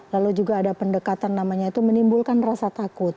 lalu juga ada pendekatan namanya itu menimbulkan rasa takut